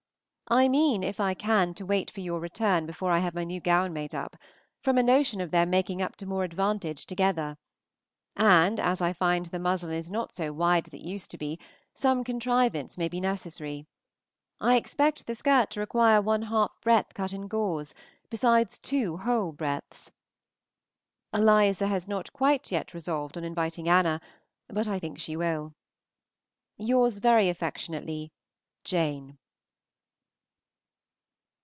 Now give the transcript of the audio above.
I mean, if I can, to wait for your return before I have my new gown made up, from a notion of their making up to more advantage together; and as I find the muslin is not so wide as it used to be, some contrivance may be necessary. I expect the skirt to require one half breadth cut in gores, besides two whole breadths. Eliza has not yet quite resolved on inviting Anna, but I think she will. Yours very affectionately, JANE.